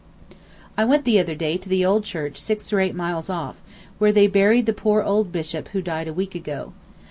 I went the other day to the old church six or eight miles off, where they buried the poor old Bishop who died a week ago.